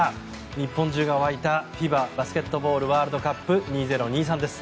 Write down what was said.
日本中が沸いたＦＩＢＡバスケットボールワールドカップ２０２３です。